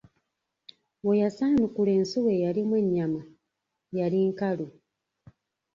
We yasaanukula ensuwa eyalimu ennyama, yali nkalu!